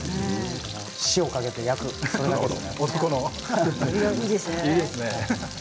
塩をかけて焼くだけです。